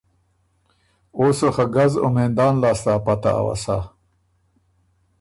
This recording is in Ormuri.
او سو خه ګز او مېندان لاسته ا پته اؤسا۔